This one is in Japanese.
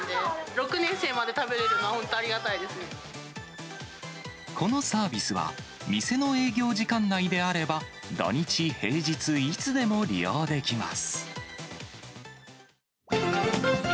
６年生まで食べれるのは本当、このサービスは店の営業時間内であれば、土日、平日、いつでも利用できます。